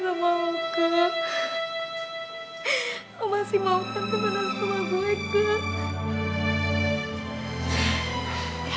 kau masih mau kan kemana semua gue kak